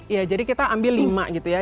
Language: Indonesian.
ya jadi kita ambil lima gitu ya